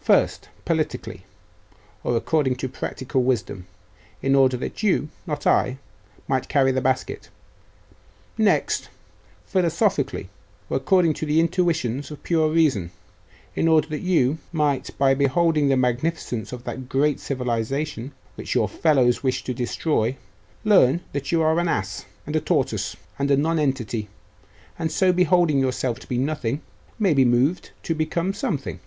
First, politically, or according to practical wisdom in order that you, not I, might carry the basket. Next, philosophically, or according to the intuitions of the pure reason in order that you might, by beholding the magnificence of that great civilisation which your fellows wish to destroy, learn that you are an ass, and a tortoise, and a nonentity, and so beholding yourself to be nothing, may be moved to become something.